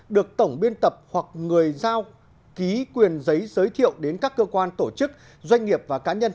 được tổng biên tập hoặc người giao ký quyền giấy giới thiệu đến các cơ quan tổ chức doanh nghiệp và cá nhân